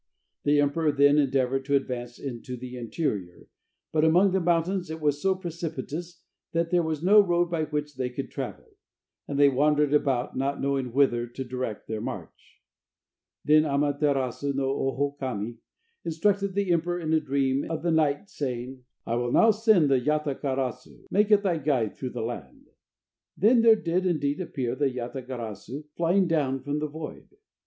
The emperor then endeavored to advance into the interior, but among the mountains it was so precipitous that there was no road by which they could travel. And they wandered about not knowing whither to direct their march. Then Ama terasu no Oho Kami instructed the emperor in a dream of the night saying: "I will now send the Yata garasu, make it thy guide through the land." Then there did indeed appear the Yata garasu flying down from the void.